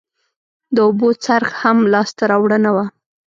د اوبو څرخ هم لاسته راوړنه وه